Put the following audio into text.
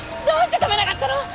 どうして止めなかったの！